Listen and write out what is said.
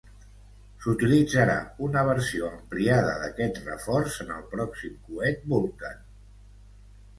S'utilitzarà una versió ampliada d'aquest reforç en el pròxim coet Vulcan.